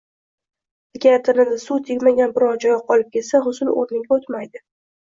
Agar tanada suv tegmagan biron joy qolib ketsa, g‘usl o‘rniga o‘tmaydi.